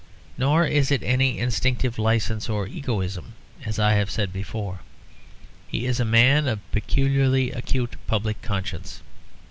Nor is it any instinctive licence or egoism; as I have said before, he is a man of peculiarly acute public conscience.